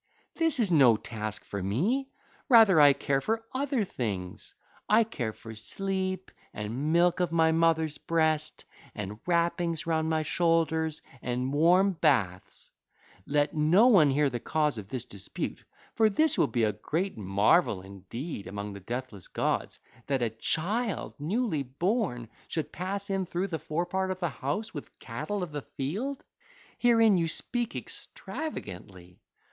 This is no task for me: rather I care for other things: I care for sleep, and milk of my mother's breast, and wrappings round my shoulders, and warm baths. Let no one hear the cause of this dispute; for this would be a great marvel indeed among the deathless gods, that a child newly born should pass in through the forepart of the house with cattle of the field: herein you speak extravagantly.